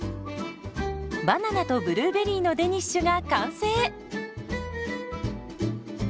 バナナとブルーベリーのデニッシュが完成。